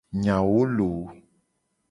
Nyawo loooo.